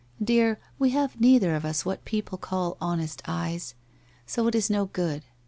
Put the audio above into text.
* Dear, we have neither of us what people call honest eyes. So it is no good.